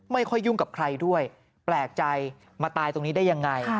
ยุ่งกับใครด้วยแปลกใจมาตายตรงนี้ได้ยังไง